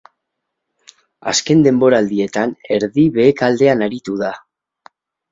Azken denboraldietan erdi-behekaldean aritu da.